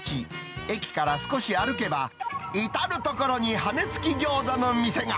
駅から少し歩けば、至る所に羽根付き餃子の店が。